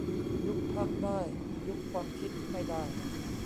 ยุบพรรคได้ ยุบความคิดไม่ได้